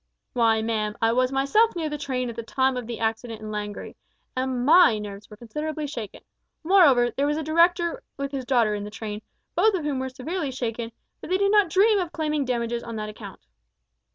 Why, ma'am, I was myself near the train at the time of the accident at Langrye, and my nerves were considerably shaken. Moreover, there was a director with his daughter in the train, both of whom were severely shaken, but they do not dream of claiming damages on that account.